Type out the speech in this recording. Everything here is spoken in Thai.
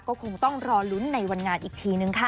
ก็คงต้องรอลุ้นในวันงานอีกทีนึงค่ะ